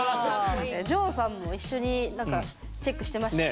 ＪＯさんも一緒にチェックしてましたね